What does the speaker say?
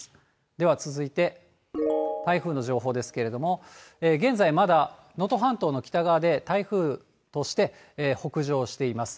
では続いて、台風の情報ですけれども、現在、まだ能登半島の北側で、台風として北上しています。